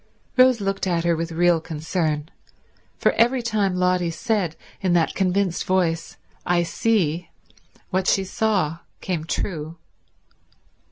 Rose looked at her with real concern: for every time Lotty said in that convinced voice, "I see," what she saw came true.